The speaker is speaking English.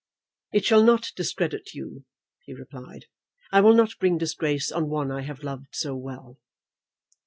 "It shall not discredit you," he replied. "I will not bring disgrace on one I have loved so well.